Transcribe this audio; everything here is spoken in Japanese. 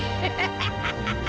ハハハハ！